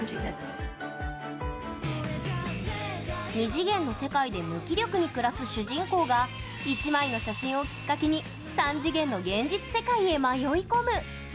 ２次元の世界で無気力に暮らす主人公が１枚の写真をきっかけに３次元の現実世界へ迷い込む。